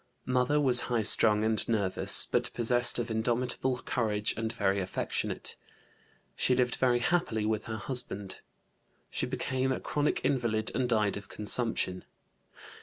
Mother was high strung and nervous, but possessed of indomitable courage and very affectionate; she lived very happily with her husband. She became a chronic invalid and died of consumption.